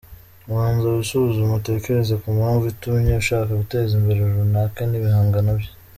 Banza wisuzume utekereze ku mpamvu itumye ushaka guteza imbere runaka n’ibihangano bye.